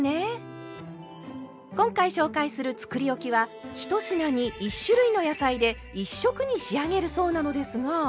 今回紹介するつくりおきは１品に１種類の野菜で１色に仕上げるそうなのですが。